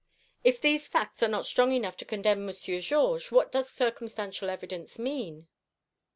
If these facts are not strong enough to condemn Monsieur Georges, what does circumstantial evidence mean?"